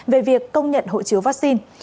về việc công nhận hộ chiếu vaccine